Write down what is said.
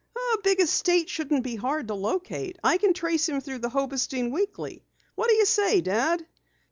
"A big estate shouldn't be hard to locate. I can trace him through the Hobostein Weekly. What do you say, Dad?"